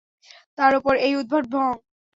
তার ওপর এই উদ্ভট ভং!